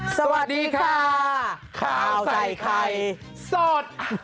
สวัสดีค่ะข่าวใส่ใครสอด